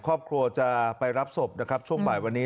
ครอบครัวจะไปรับศพนะครับช่วงบ่ายวันนี้